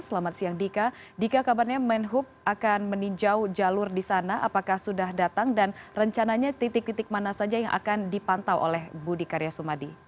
selamat siang dika dika kabarnya menhub akan meninjau jalur di sana apakah sudah datang dan rencananya titik titik mana saja yang akan dipantau oleh budi karya sumadi